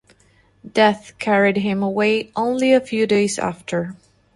Death carried him away only a few days after.